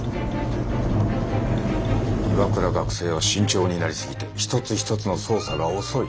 岩倉学生は慎重になり過ぎて一つ一つの操作が遅い。